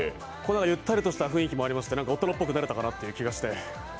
ゆったりとした雰囲気もありまして、大人っぽくなれたかなという気がして。